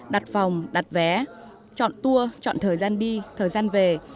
đặt phòng đặt vé chọn tour chọn thời gian đi thời gian về